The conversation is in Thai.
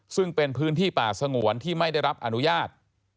ซึ่งเป็นพื้นที่ป่าสงวนที่ไม่ได้รับอนุญาต